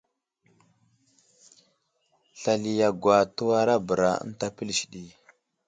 Slali yagwa təwarabəra ənta pəlis ɗi.